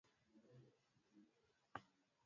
nchi bado haijawa tayari kuungana na Uruguay na Colombia